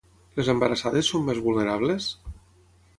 Les embarassades són més vulnerables?